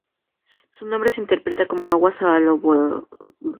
Su nombre se interpreta como ""Agua Salobre"".